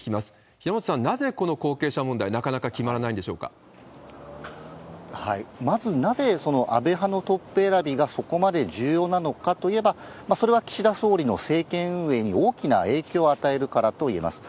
平本さん、なぜこの後継者問題、なかなか決まらないんでしょうかまず、なぜその安倍派のトップ選びがそこまで重要なのかといえば、それは岸田総理の政権運営に大きな影響を与えるからといえます。